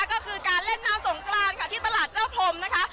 ก็คือการเล่นน้ำสงกรานค่ะที่ตลาดเจ้าพรมนะคะ